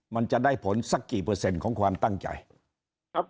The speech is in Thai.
มันจะได้ผลสักกี่เปอร์เซ็นต์ของความตั้งใจครับ